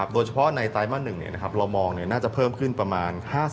โดยเฉพาะในไตรมาส๑เรามองน่าจะเพิ่มขึ้นประมาณ๕๐